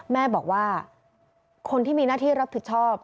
แม่บอกว่าคนที่มีหน้าที่รับผิดชอบ